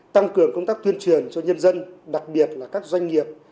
tăng cường công tác tuyên truyền cho nhân dân đặc biệt là các doanh nghiệp